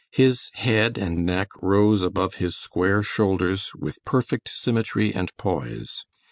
His head and neck rose above his square shoulders with perfect symmetry and poise.